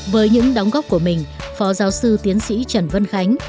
với những đóng góp của mình phó giáo sư tiến sĩ trần vân khánh